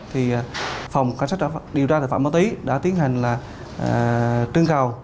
thì phòng cảnh sát điều tra tài phạm máu tí đã tiến hành trưng cầu